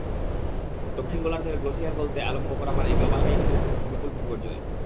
দক্ষিণ গোলার্ধের গ্লোাসিয়ার গলতে আরম্ভ করা মানেই গ্লোবাল ক্লাইমেটের বিপুল বিপর্যয়।